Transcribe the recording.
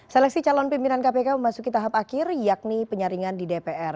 seleksi calon pimpinan kpk memasuki tahap akhir yakni penyaringan di dpr